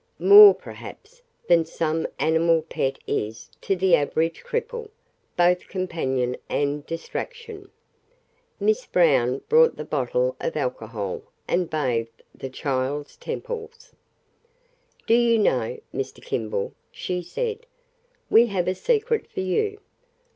More, perhaps, than some animal pet is to the average cripple, both companion and distraction. Miss Brown brought the bottle of alcohol, and bathed the child's temples. "Do you know, Mr. Kimball," she said, "we have a secret for you.